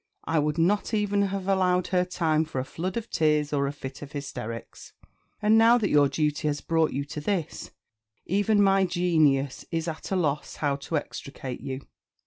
I would not even have allowed her time for a flood of tears or a fit of hysterics. And now that your duty has brought you to this, even my genius is a a loss how to extricate you.